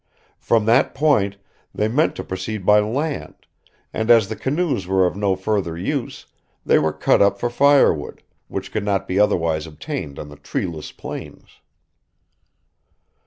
From that point they meant to proceed by land; and as the canoes were of no further use, they were cut up for firewood, which could not be otherwise obtained on the treeless plains.